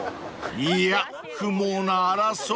［いや不毛な争い！］